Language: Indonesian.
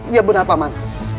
iya benar pak man